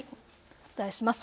お伝えします。